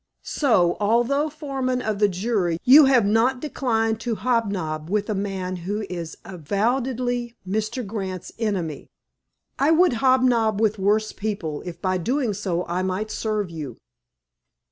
"So, although foreman of the jury, you have not declined to hobnob with a man who is avowedly Mr. Grant's enemy?" "I would hobnob with worse people if, by so doing, I might serve you."